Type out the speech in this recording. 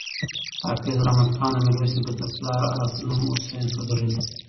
حافظ رحمت خان د میرویس نیکه د پلار نوم حسین ښودلی دی.